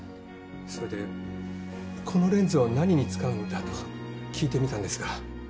それでこのレンズを何に使うんだと聞いてみたんですが。